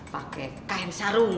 pake kain sarung